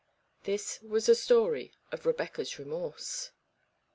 This was the story of Rebecca's remorse.